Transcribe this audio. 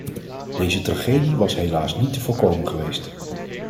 Deze tragedie was helaas niet te voorkomen geweest.